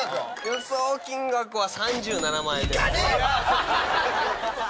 予想金額は３７万円で。